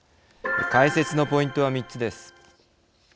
解説のポイントは３つです。